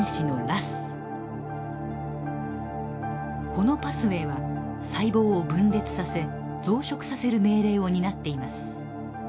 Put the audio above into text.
このパスウェーは細胞を分裂させ増殖させる命令を担っています。